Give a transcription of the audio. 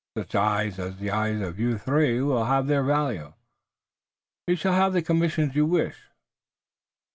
Such eyes as the eyes of you three will have their value. You shall have the commissions you wish."